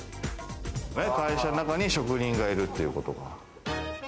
会社の中に職人がいるっていうことか。